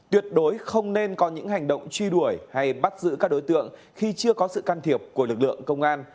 tuyệt đối không nên có những hành động truy đuổi hay bắt giữ các đối tượng khi chưa có sự can thiệp của lực lượng công an